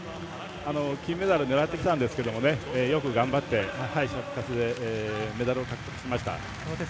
金メダル狙ってきたんですけどよく頑張って敗者復活でメダルを獲得しました。